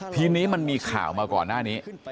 ทีนี้มันมีข่าวมาก่อนหน้านี้